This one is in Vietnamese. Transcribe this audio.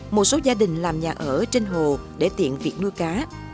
một số gia đình làm nhà ở trên hồ để tiện việc nuôi cá